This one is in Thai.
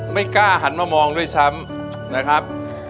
ไม่กล้าหันมามองด้วยซ้ำนะครับ